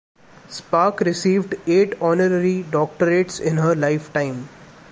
Spark received eight honorary doctorates in her lifetime.